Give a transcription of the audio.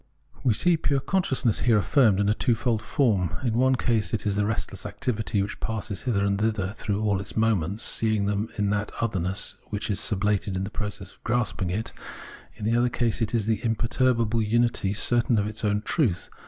We see pure consciousness here affirmed in a twofold form. In one case it is the restless activity which passes hither and thither through all its moments, seeing in them that otherness which is sublated in the process of grasping it ; in the other case it is the imperturbable miity certain of its own truth.